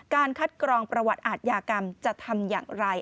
คัดกรองประวัติอาทยากรรมจะทำอย่างไร